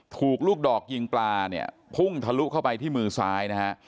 ถูกลูกดอกยิงปลาเนี่ยพุ่งทะลุเข้าไปที่มือซ้ายนะฮะ